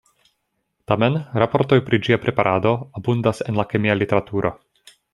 Tamen, raportoj pri ĝia preparado abundas en la kemia literaturo.